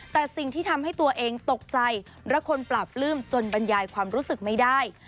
แต่สิ่งที่ทำให้ตัวเองตกใจและคนปราบปลื้มจนบรรยายความรู้สึกไม่ได้